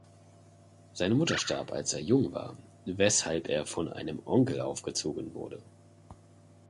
Seine Mutter starb als er jung war, weshalb er von einem Onkel aufgezogen wurde.